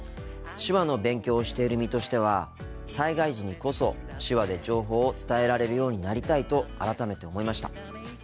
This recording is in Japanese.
手話の勉強をしている身としては災害時にこそ手話で情報を伝えられるようになりたいと改めて思いました。